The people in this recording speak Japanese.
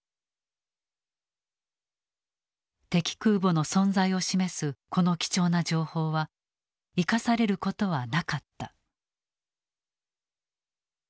敵空母の存在を示すこの貴重な情報は生かされることはなかった。